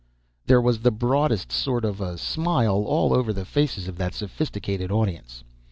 There was the broadest sort of a smile all over the faces of that sophisticated audience.